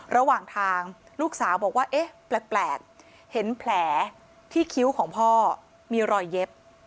ระหว่างทางลูกสาวบอกว่าเอ๊ะแปลกเห็นแผลที่คิ้วของพ่อมีรอยเย็บ